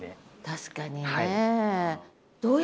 確かに。